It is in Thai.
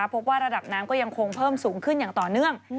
พบว่าระดับน้ำก็ยังคงเพิ่มสูงขึ้นอย่างต่อเนื่อง